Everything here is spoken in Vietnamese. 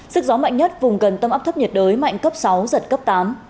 sức gió mạnh nhất vùng gần tâm áp thấp nhiệt đới mạnh cấp sáu giật cấp tám